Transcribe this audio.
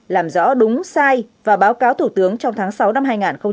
làm rõ đúng sai và báo cáo thủ tướng trong tháng sáu năm hai nghìn một mươi chín